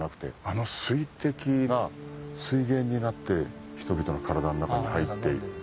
あの水滴が水源になって人々の体の中に入っていって。